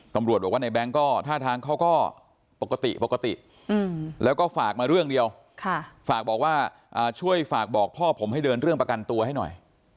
ตำรวจบอกว่าในแง๊งก็ท่าทางเขาก็ปกติปกติแล้วก็ฝากมาเรื่องเดียวฝากบอกว่าช่วยฝากบอกพ่อผมให้เดินเรื่องประกันตัวให้หน่อย